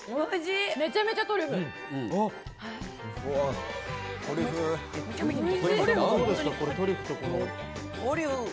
めちゃめちゃトリュフ！